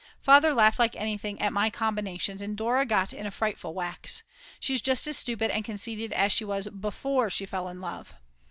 Father laughed like anything at my "combinations," and Dora got in a frightful wax. She is just as stupid and conceited as she was before she fell in love.